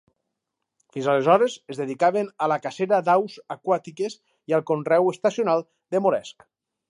Fins aleshores es dedicaven a la cacera d'aus aquàtiques i al conreu estacional de moresc.